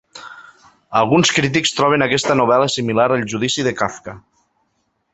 Alguns crítics troben aquesta novel·la similar a "El Judici" de Kafka.